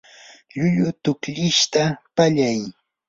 llullu tuklishta pallay.